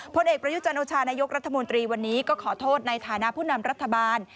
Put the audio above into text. ผลเอกประยุจันโอชานายกรัฐมนตรีวันนี้ก็ขอโทษในฐานะผู้นำรัฐบาล